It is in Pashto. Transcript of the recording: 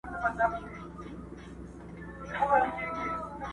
• شیرنۍ ته ریسوت وایې ډېر ساده یې.